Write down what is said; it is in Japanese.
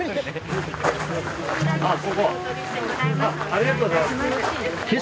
ありがとうございます。